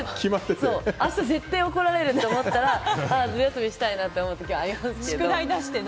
明日、絶対怒られるって思ったらズル休みしたいなって思う時はありますけど。